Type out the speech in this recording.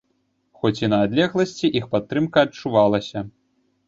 Хоць і на адлегласці, іх падтрымка адчувалася.